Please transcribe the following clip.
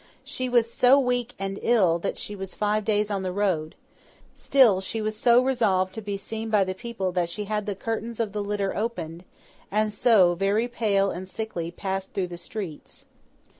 She was so weak and ill, that she was five days on the road; still, she was so resolved to be seen by the people that she had the curtains of the litter opened; and so, very pale and sickly, passed through the streets.